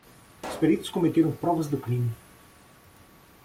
Os peritos cometeram provas do crime.